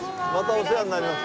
お世話になります。